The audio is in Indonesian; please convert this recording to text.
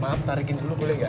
maaf tarikin dulu boleh gak